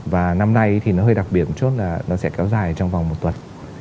và năm nay thì nó hơi đặc biệt một chút là nó sẽ kéo dài trong vòng một tuần